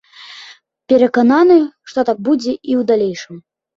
Перакананы, што так будзе і ў далейшым.